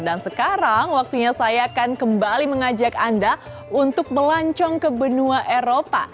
dan sekarang waktunya saya akan kembali mengajak anda untuk melancong ke benua eropa